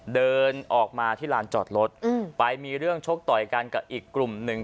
เดินออกมาที่ลานจอดรถไปมีเรื่องชกต่อยกันกับอีกกลุ่มหนึ่ง